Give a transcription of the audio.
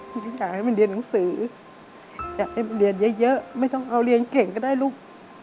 ที่อยากให้มันเรียนหนังสืออยากให้เรียนเยอะไม่ต้องเอาเรียนเก่งก็ได้ลูก